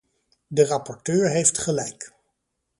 De rapporteur heeft gelijk.